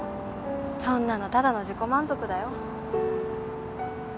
そんなのただの自己満足だよ。